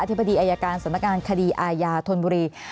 อธิบดีอายการสมการคดีอายาธนบุรี